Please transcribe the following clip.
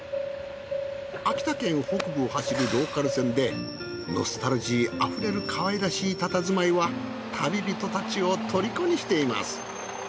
秋田県北部を走るローカル線でノスタルジーあふれるかわいらしいたたずまいは旅人たちを虜にしています。